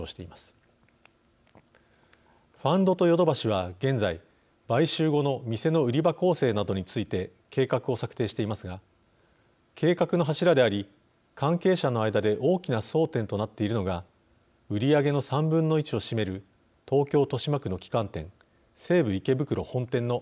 ファンドとヨドバシは現在買収後の店の売り場構成などについて計画を策定していますが計画の柱であり関係者の間で大きな争点となっているのが売り上げの３分の１を占める東京・豊島区の旗艦店西武池袋本店の扱いです。